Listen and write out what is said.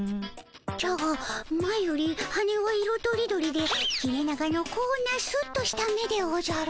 じゃが前より羽は色とりどりで切れ長のこんなスッとした目でおじゃる。